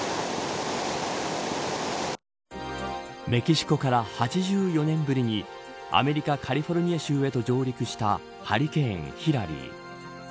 メキシコから８４年ぶりにアメリカ・カリフォルニア州へと上陸したハリケーン、ヒラリー。